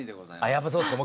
やっぱそうですか。